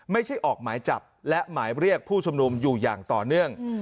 ไม่ใช่ออกหมายจับและหมายเรียกผู้ชุมนุมอยู่อย่างต่อเนื่อง